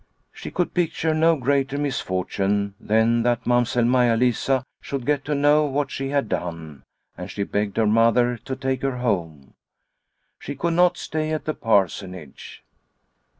She could picture no greater misfortune than that Mamsell Maia Lisa should get to know what she had done, and she begged her mother to take her home. She could not stay at the Parsonage.